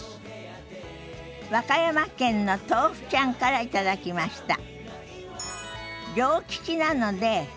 和歌山県のとうふちゃんから頂きました。